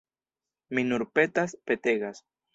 Mi nur petas, petegas.